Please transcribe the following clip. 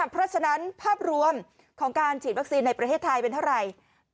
เพราะฉะนั้นภาพรวมของการฉีดวัคซีนในประเทศไทยเป็นเท่าไหร่